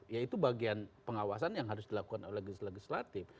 ya itu bagian pengawasan yang harus dilakukan oleh legislatif